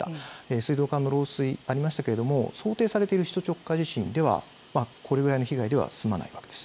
水道管の漏水ありましたけれども、想定されている首都直下地震では、これぐらいの被害では済まないわけです。